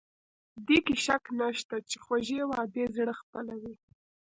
دې کې شک نشته چې خوږې وعدې زړه خپلوي.